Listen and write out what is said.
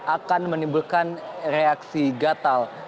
akan menimbulkan reaksi gatal